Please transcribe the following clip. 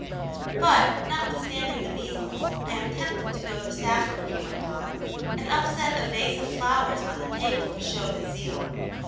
" But, notwithstanding the measles, I am tempted to go to Stafford," he went on, and upset a vase of flowers on the table to show his zeal.